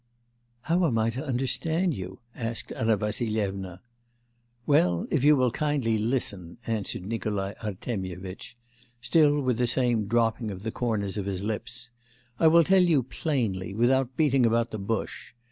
'How am I to understand you?' asked Anna Vassilyevna. 'Well, if you will kindly listen,' answered Nikolai Artemyevitch, still with the same dropping of the corners of his lips, 'I will tell you plainly, without beating about the bush.